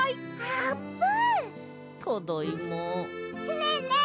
ねえねえ